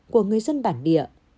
của người dân bản địa